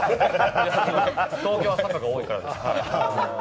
東京は坂が多いからです。